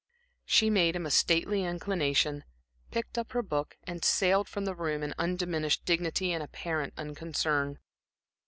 She made him a stately inclination, picked up her book and sailed from the room in undiminished dignity and apparent unconcern.